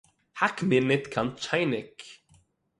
האַק מיר ניט קיין טשײַניק!